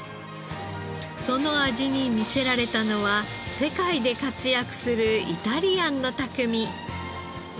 その味に魅せられたのは世界で活躍するイタリアンの匠。